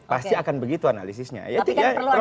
pasti akan begitu analisisnya tapi kan perlu